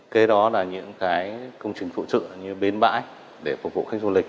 kế đó là những công trình phụ trợ như biến vãi để phục vụ khách du lịch